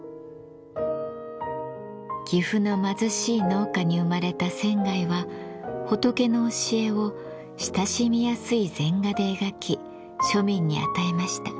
岐阜の貧しい農家に生まれた仙は仏の教えを親しみやすい禅画で描き庶民に与えました。